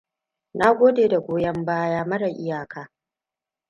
Na gode da goyon baya mara iyaka!